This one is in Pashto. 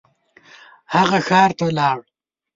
هغه ښار ته لاړ.